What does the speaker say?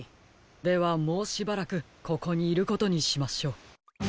ではもうしばらくここにいることにしましょう。